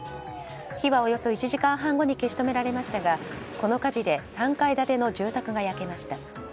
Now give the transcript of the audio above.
火はおよそ１時間半後に消し止められましたがこの火事で３階建ての住宅が焼けました。